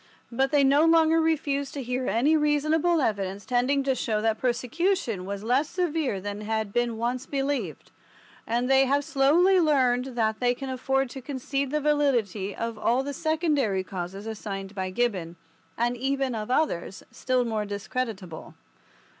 But they no longer refuse to hear any reasonable evidence tending to show that persecution was less severe than had been once believed, and they have slowly learned that they can afford to concede the validity of all the secondary causes assigned by Gibbon and even of others still more discreditable.